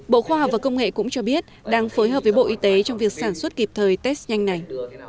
bộ khoa học và công nghệ cũng cho biết đang phối hợp với bộ y tế trong việc sản xuất kịp thời test nhanh này